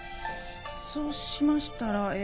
そうしましたらえっと。